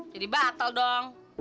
jadi batal dong